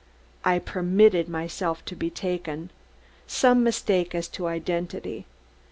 ... I permitted myself to be taken ... some mistake as to identity.